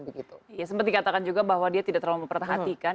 seperti yang dikatakan juga bahwa dia tidak terlalu memperhatikan